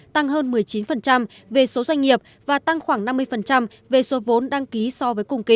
tăng hơn một mươi chín về số doanh nghiệp và tăng khoảng năm mươi về số vốn đăng ký so với cùng kỳ